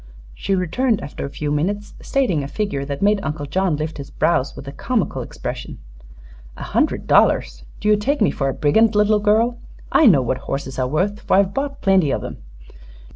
She returned after a few minutes, stating a figure that made Uncle John lift his brows with a comical expression. "A hundred dollars! Do you take me for a brigand, little girl? I know what horses are worth, for I've bought plenty of 'em.